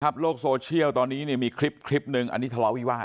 โลกโซเชียลตอนนี้เนี่ยมีคลิปหนึ่งอันนี้ทะเลาะวิวาส